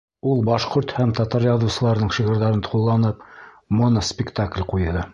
Ул башҡорт һәм татар яҙыусыларының шиғырҙарын ҡулланып, моноспектакль ҡуйҙы.